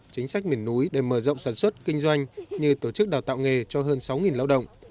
chính sách miền núi để mở rộng sản xuất kinh doanh như tổ chức đào tạo nghề cho hơn sáu lao động